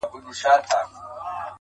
بيا دې د سندرو سره پښه وهمه~